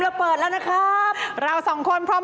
เก็บรับจำนำ